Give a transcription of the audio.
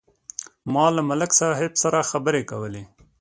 ما له ملک صاحب سره خبرې کولې.